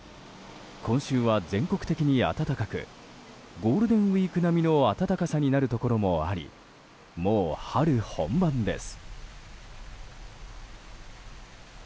今週は全国的に暖かくゴールデンウィーク並みの暖かさになるところもありもう春本番です。